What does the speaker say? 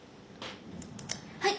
はい。